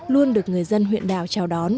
luôn được người dân huyện đảo chào đón